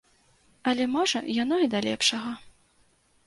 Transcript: Але, можа, яно і да лепшага.